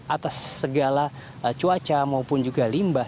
atas segala cuaca maupun juga limbah